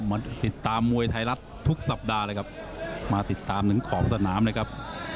มาติดตามมวยไทยรัฐทุกสัปดาห์เลยครับมาติดตามถึงขอบสนามเลยครับ